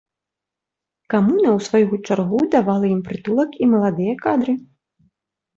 Камуна ў сваю чаргу давала ім прытулак і маладыя кадры.